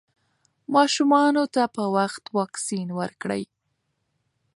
ماشومانو ته په وخت واکسین ورکړئ.